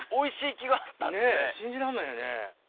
ねぇ信じらんないよね。